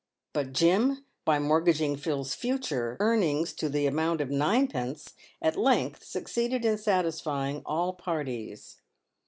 But Jim, by mortgaging Phil's future earnings to the amount of ninepence, at length succeeded in satisfying all parties.